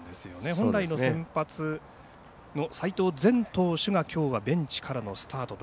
本来の先発の齋藤禅投手がきょうはベンチからのスタートと。